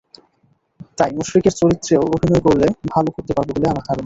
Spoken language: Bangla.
তাই মুশফিকের চরিত্রেও অভিনয় করলে ভালো করতে পারব বলে আমার ধারণা।